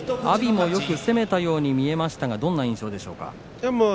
阿炎もよく攻めたように見えましたがどんな印象ですか。